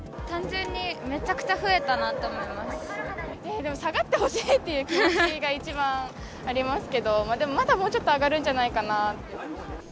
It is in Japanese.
単純にめちゃくちゃ増えたなでも下がってほしいっていう気持ちが一番ありますけど、でも、まだもうちょっと上がるんじゃないかなと。